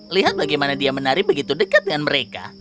lihat bagaimana dia menari begitu dekat dengan mereka